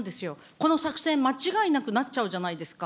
この作戦、間違いなくなっちゃうじゃないですか。